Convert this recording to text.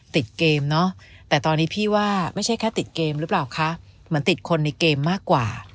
ติดเกมเนอะแต่ตอนนี้พี่ว่าไม่ใช่แค่ติดเกมหรือเปล่าคะเหมือนติดคนในเกมมากกว่า